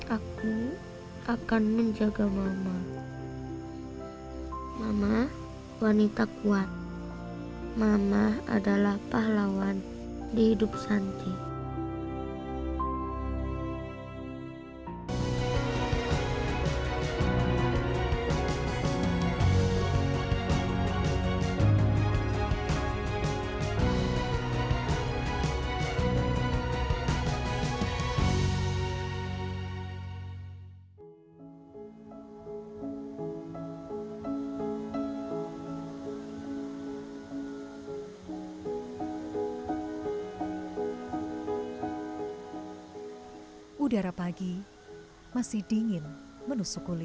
aku akan menjaga mama mama wanita kuat mama adalah pahlawan di hidup santi